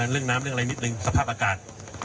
เรื่องน้ำเรื่องอะไรนิดนึงสภาพอากาศ